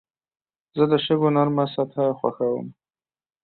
زه د شګو نرمه سطحه خوښوم.